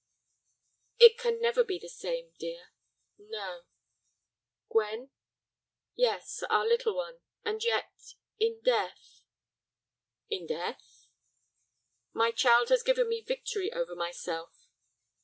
"It can never be the same, dear." "No." "Gwen?" "Yes, our little one. And yet—in death—" "In death?" "My child has given me victory over myself.